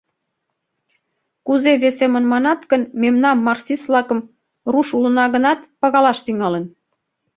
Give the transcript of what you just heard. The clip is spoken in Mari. Кузе весемын манат гын, мемнам, марксист-влакым, руш улына гынат, пагалаш тӱҥалын.